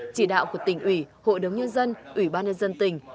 chỉ đạo của tỉnh ủy hội đồng nhân dân ủy ban nhân dân tỉnh